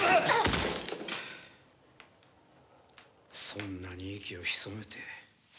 そんなに息を潜めて。